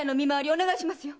お願いしますよ。